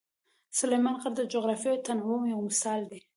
سلیمان غر د جغرافیوي تنوع یو مثال دی.